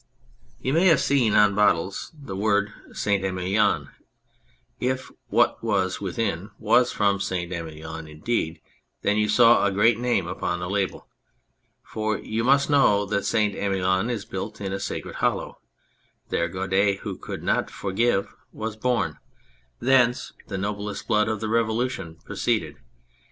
You may have seen on bottles the 80 On the Air of the Dordogne word "St. Emilion," and if what was within was from St. Emilion indeed, then you saw a great name upon the label ; for you must know that St. Emilion is built in a sacred hollow. There Guadet, " who could not forgive/' was born. Thence the noblest blood of the Revolution proceeded.